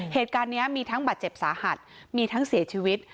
เหตุการณ์นี้มีทั้งบาดเจ็บสาหัสมีทั้งเสียชีวิต